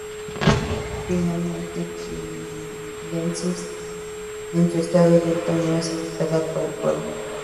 Finalmente, "J. chilensis" en su estado adulto no es afectada por el fuego.